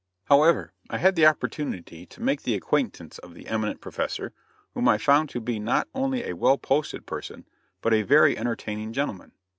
However, I had the opportunity to make the acquaintance of the eminent Professor, whom I found to be not only a well posted person but a very entertaining gentleman.